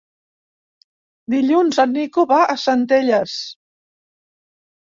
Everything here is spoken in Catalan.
Dilluns en Nico va a Centelles.